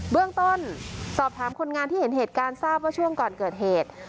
เรื่องต้นสอบถามคนงานที่เห็นเหตุการณ์ทราบว่าช่วงก่อนเกิดเหตุ